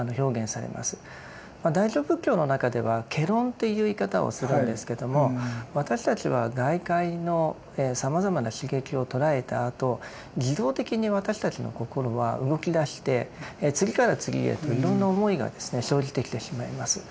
大乗仏教の中では「戯論」という言い方をするんですけども私たちは外界のさまざまな刺激をとらえたあと自動的に私たちの心は動き出して次から次へといろんな思いがですね生じてきてしまいます。